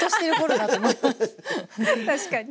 確かに。